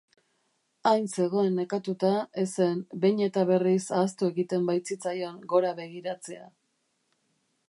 Hain zegoen nekatua, ezen behin eta berriz ahaztu egiten baitzitzaion gora begiratzea.